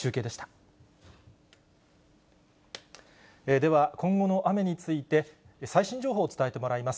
では、今後の雨について、最新情報を伝えてもらいます。